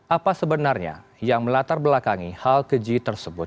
apa sebenarnya yang melatar belakangi hal keji tersebut